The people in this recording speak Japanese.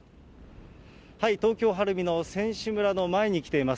東京・晴海の選手村の前に来ています。